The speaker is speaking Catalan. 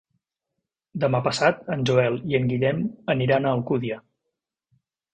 Demà passat en Joel i en Guillem aniran a Alcúdia.